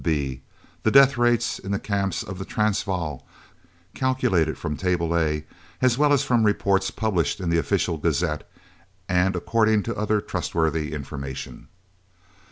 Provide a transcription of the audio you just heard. (b) The death rate in the Camps of the Transvaal calculated from Table A, as well as from reports published in the Official Gazette, and according to other trustworthy information.